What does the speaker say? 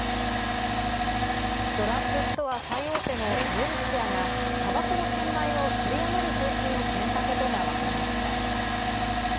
ドラッグストア最大手のウエルシアが、たばこの販売を取り止める方針を決めたことがわかりました。